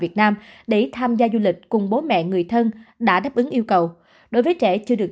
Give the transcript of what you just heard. việt nam để tham gia du lịch cùng bố mẹ người thân đã đáp ứng yêu cầu đối với trẻ chưa được